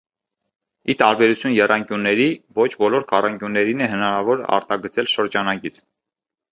Ի տարբերություն եռանկյունների ոչ բոլոր քառանկյուններին է հնարավոր արտագծել շրջանագիծ։